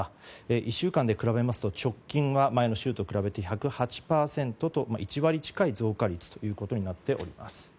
１週間で比べますと直近は前の週と比べて１０８％と、１割近い増加率となっております。